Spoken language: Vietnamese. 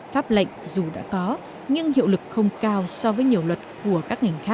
pháp lệnh dù đã có nhưng hiệu lực không cao so với nhiều luật của các ngành khác